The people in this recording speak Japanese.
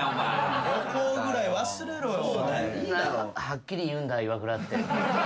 はっきり言うんだイワクラって。